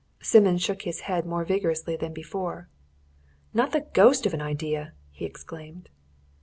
Simmons shook his head more vigorously than before. "Not the ghost of an idea!" he exclaimed.